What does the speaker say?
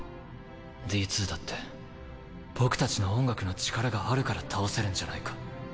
Ｄ２だって僕たちの音楽の力があるから倒せるんじゃないか。